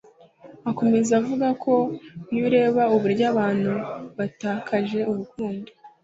Akomeza avuga ko iyo ureba uburyo abantu batakaje urukundo